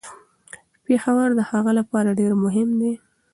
پېښور د هغه لپاره ډیر مهم و.